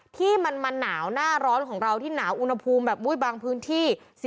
ที่มันมาหนาวหน้าร้อนของเราที่หนาวอุณหภูมิแบบบางพื้นที่